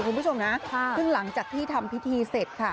คุณผู้ชมนะซึ่งหลังจากที่ทำพิธีเสร็จค่ะ